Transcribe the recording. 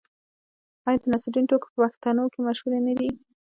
آیا د نصرالدین ټوکې په پښتنو کې مشهورې نه دي؟